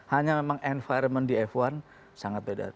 hanya memang environment di f satu sangat beda